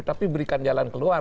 tapi berikan jalan keluar